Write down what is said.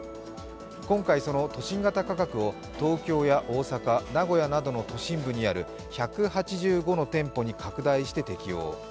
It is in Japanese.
今回、その都心型価格を東京や大阪、名古屋などの都心部にある１８５の店舗に拡大して適用。